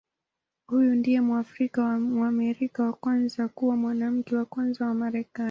Huyu ndiye Mwafrika-Mwamerika wa kwanza kuwa Mwanamke wa Kwanza wa Marekani.